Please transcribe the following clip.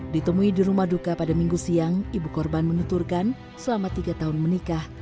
ditemui di rumah duka pada minggu siang ibu korban menuturkan selama tiga tahun menikah